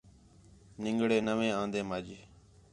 نِنگڑے نوے آندیم اَڄ